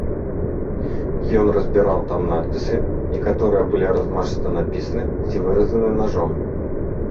Ён разбіраў там надпісы, некаторыя былі размашыста напісаны ці выразаны нажом.